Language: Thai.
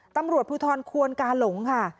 ตำรวจภูทรควนกาหลงค่ะ